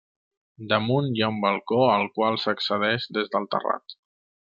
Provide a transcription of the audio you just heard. Damunt hi ha un balcó al qual s'accedeix des del terrat.